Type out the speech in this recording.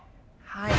はい。